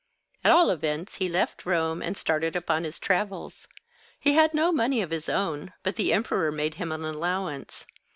At all events, he left Rome, and started upon his travels. He had no money of his own, but the Emperor made him an allowance.